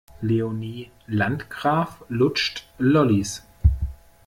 Leonie Landgraf lutscht Lollis.